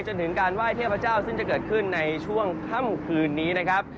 จนถึงการไหว้เทพเจ้าซึ่งจะเกิดขึ้นในช่วงค่ำคืนนี้นะครับ